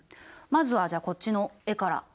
まずはじゃあこっちの絵から。